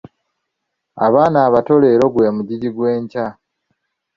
Abaana abato leero gwe mugigi gw'enkya.